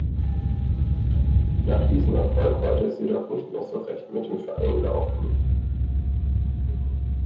Nach diesem Erfolg wollte es jedoch nicht mehr so recht mit dem Verein laufen.